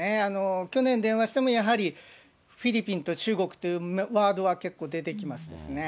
去年、電話してもやはりフィリピンと中国というワードは、結構出てきますですね。